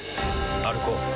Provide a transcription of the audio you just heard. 歩こう。